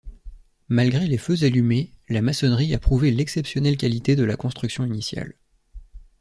Malgré les feux allumés, la maçonnerie a prouvé l'exceptionnelle qualité de la construction initiale.